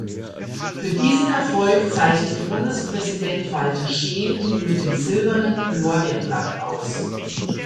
Für diesen Erfolg zeichnete Bundespräsident Walter Scheel ihn mit dem Silbernen Lorbeerblatt aus.